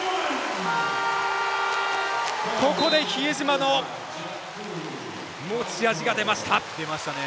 ここで比江島の持ち味が出ました。